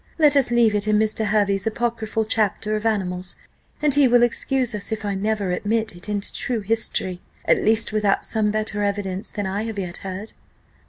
Let us leave it in Mr. Hervey's apocryphal chapter of animals, and he will excuse us if I never admit it into true history, at least without some better evidence than I have yet heard."